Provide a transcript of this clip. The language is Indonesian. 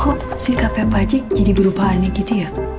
kok si kafe pak jack jadi berubah aneh gitu ya